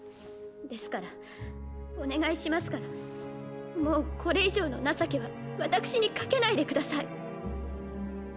ですからお願いしますからもうこれ以上の情けは私にかけないでください。